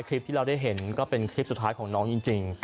คลิปที่เราได้เห็นก็เป็นคลิปสุดท้ายของน้องจริง